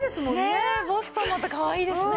ねえボストンもまたかわいいですね。